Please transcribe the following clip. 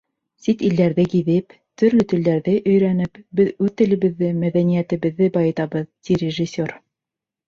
Сит илдәрҙе гиҙеп, төрлө телдәрҙе өйрәнеп, беҙ үҙ телебеҙҙе, мәҙәниәтебеҙҙе байытабыҙ, ти режиссер.